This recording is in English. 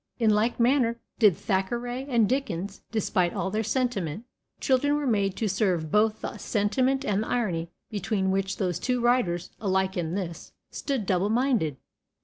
In like manner did Thackeray and Dickens, despite all their sentiment. Children were made to serve both the sentiment and the irony between which those two writers, alike in this, stood double minded.